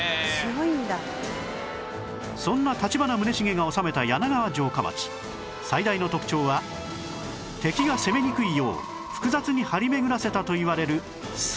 そんな立花宗茂が治めた柳川城下町最大の特徴は敵が攻めにくいよう複雑に張り巡らせたといわれる水路